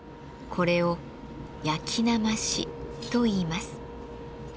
これを焼きなましといいます。